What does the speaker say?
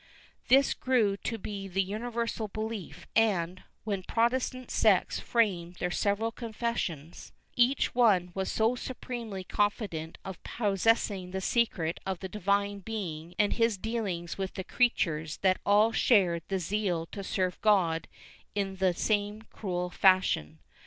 This grew to be the universal belief and, when Protestant sects framed their several confessions, each one was so supremely con fident of possessing the secret of the Divine Being and his dealings with his creatures that all shared the zeal to serve God in the same cruel fashion.